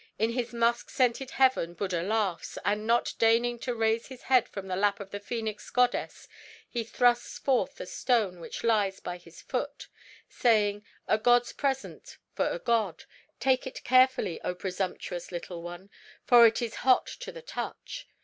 "In his musk scented Heaven Buddha laughs, and not deigning to raise his head from the lap of the Phœnix Goddess, he thrusts forth a stone which lies by his foot. "Saying, 'A god's present for a god. Take it carefully, O presumptuous Little One, for it is hot to the touch.